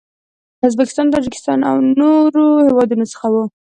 له ازبکستان، تاجکستان او نورو هیوادو څخه و.